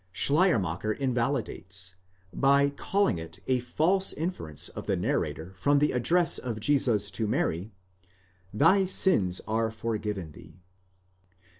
407 Schleiermacher invalidates, by calling it a false inference of the narrator from the address of Jesus to Mary, Zhy sins are forgiven thee, ἀφέωνταί σοι ai ἁμαρτίαι.